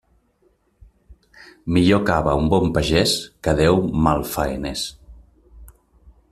Millor cava un bon pagés que deu malfaeners.